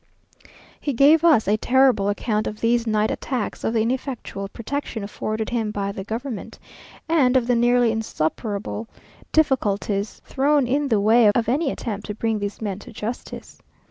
He gave us a terrible account of these night attacks, of the ineffectual protection afforded him by the government, and of the nearly insuperable difficulties thrown in the way of any attempt to bring these men to justice.